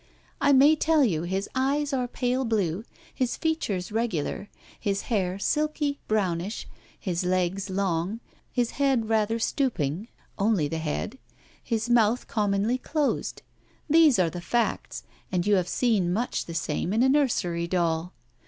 I may tell you his eyes are pale blue, his features regular, his hair silky, brownish, his legs long, his head rather stooping (only the head), his mouth commonly closed; these are the facts, and you have seen much the same in a nursery doll.